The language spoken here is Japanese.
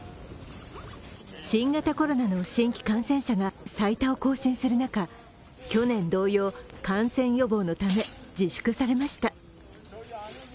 新型コロナの新規感染者が最多を更新する中、去年同様、感染予防のため自粛されました。